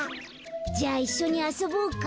じゃあいっしょにあそぼうか。